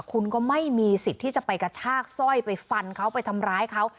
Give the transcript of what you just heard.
คุณก็ไม่มีสิทธิ์ที่จะไปกระชากสร้อยไปฟันเขาไปทำร้ายเขา